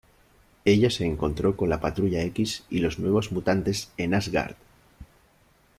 Ella se encontró con la Patrulla X y los Nuevos Mutantes en Asgard.